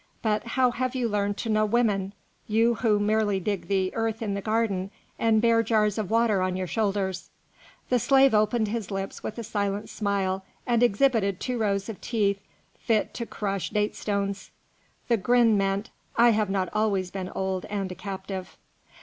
But how have you learned to know women, you who merely dig the earth in the garden and bear jars of water on your shoulders?" The slave opened his lips with a silent smile and exhibited two rows of teeth fit to crush date stones. The grin meant, "I have not always been old and a captive."